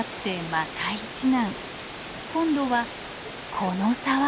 今度はこの沢です。